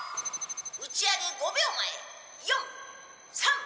「打ち上げ５秒前！」